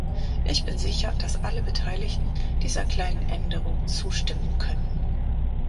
Ich bin sicher, dass alle Beteiligten dieser kleinen Änderung zustimmen können.